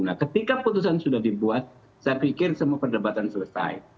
nah ketika putusan sudah dibuat saya pikir semua perdebatan selesai